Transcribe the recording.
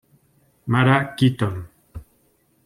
Mara Keaton.